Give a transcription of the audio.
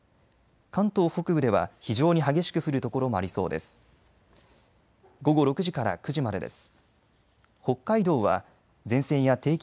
関東北部では非常に激しく降る所もありそうです。